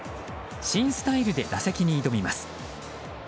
新スタイルで打席に挑みます。